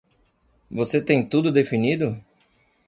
Você tem tudo definido?